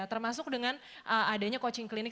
termasuk dengan adanya coaching klinik